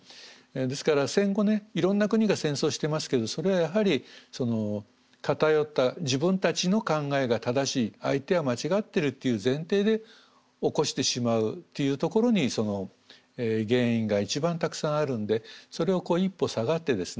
ですから戦後ねいろんな国が戦争してますけどそれはやはり偏った自分たちの考えが正しい相手は間違ってるっていう前提で起こしてしまうというところにその原因が一番たくさんあるんでそれを一歩下がってですね